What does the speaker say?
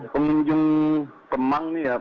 pengunjung kemang nih ya